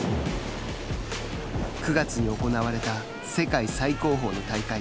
９月に行われた世界最高峰の大会